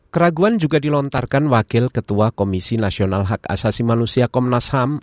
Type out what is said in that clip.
keraguan juga dilontarkan wakil ketua komisi nasional hak asasi manusia komnas ham